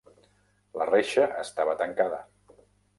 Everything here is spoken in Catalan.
La reixa estava tancada.